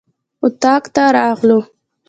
اطاق ته راغلو.